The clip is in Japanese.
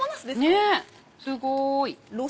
ねぇすごい！